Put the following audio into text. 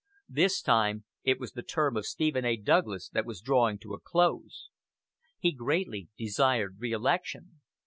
This time it was the term of Stephen A. Douglas that was drawing to a close. He greatly desired reelection.